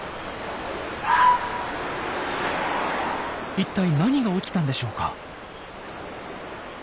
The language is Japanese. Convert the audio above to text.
一体何が起きたんでしょうか？